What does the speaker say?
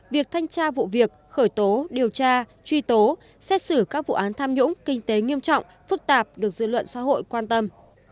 việc thanh tra vụ việc khởi tố điều tra truy tố xét xử các vụ án tham nhũng kinh tế nghiêm trọng phức tạp được dư luận xã hội quan tâm